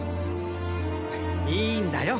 いーんだよ